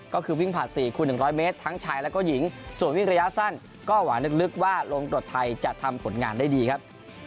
ก็คือวิ่งผ่าน๔คูณ๑๐๐เมตรทั้งชายแล้วก็หญิงส่วนวิ่งระยะสั้นก็หวังลึกว่าลงกรดไทยจะทำผลงานได้ดีครับ